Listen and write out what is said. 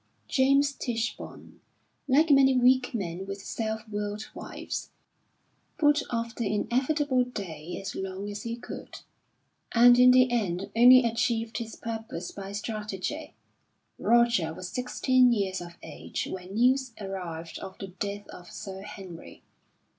James Tichborne, like many weak men with self willed wives, put off the inevitable day as long as he could; and in the end only achieved his purpose by strategy. Roger was sixteen years of age when news arrived of the death of Sir Henry.